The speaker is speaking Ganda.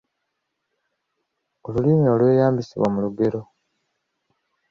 Olulimi olweyambisibwa mu lugero